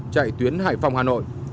chạy tuyến hải phòng hà nội